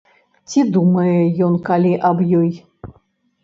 Ці думае ён калі аб ёй?